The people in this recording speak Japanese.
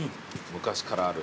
昔からある。